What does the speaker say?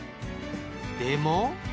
でも。